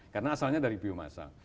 karena asalnya dari biomasa